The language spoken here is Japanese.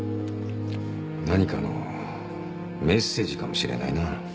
何かのメッセージかもしれないな。